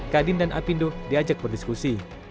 kadin dan apindo diajak berdiskusi